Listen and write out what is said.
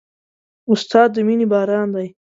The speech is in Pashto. استاد د مینې باران دی.